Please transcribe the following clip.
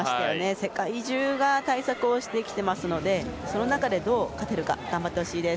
世界中が対策をしてきていますのでその中でどう勝てるか。頑張ってほしいです。